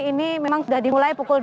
ini memang sudah dimulai pukul